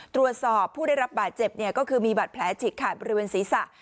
ตรวจสอบผู้ได้รับบาดเจ็บเนี่ยก็คือมีบัตรแผลจิกขาดบริเวณศรีษะ